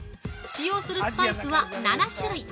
使用するスパイスは７種類！